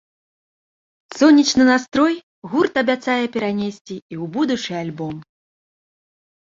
Сонечны настрой гурт абяцае перанесці і ў будучы альбом.